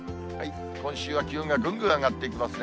今週は気温がぐんぐん上がっていきますね。